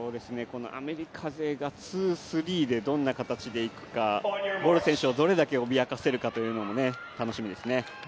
アメリカ勢が、２、３でどんな形でいくかボル選手をどれだけ脅かせるかも楽しみですね。